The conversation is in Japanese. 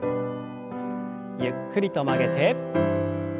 ゆっくりと曲げて。